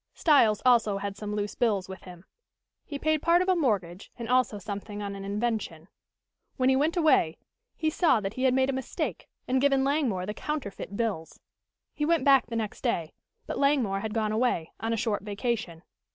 Styles also had some loose bills with him. He paid part of a mortgage and also something on an invention. When he went away, he saw that he had made a mistake and given Langmore the counterfeit bills. He went back the next day, but Langmore had gone away, on a short vacation.